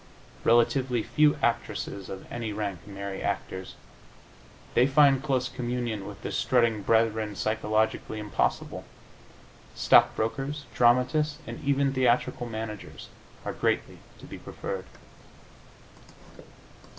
Relatively few actresses of any rank marry actors. They find close communion with the strutting brethren psychologically impossible. Stock brokers, dramatists and even theatrical managers are greatly to be preferred.